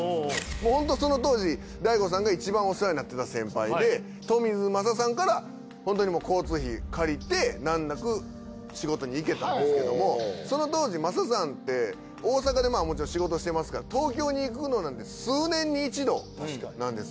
もう本当その当時大悟さんがいちばんお世話になってた先輩でトミーズ雅さんから本当に交通費借りて難なく仕事に行けたんですけどもその当時雅さんって大阪でもちろん仕事してますから東京に行くのなんて数年に一度なんです。